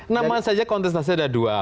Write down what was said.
nama saja kontestasi ada dua